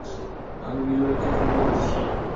আমি নিউ ইয়র্কে ফিরিয়া যাইতেছি।